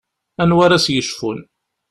Anwa ara s-yecfun?